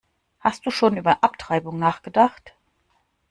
Hast du schon über Abtreibung nachgedacht?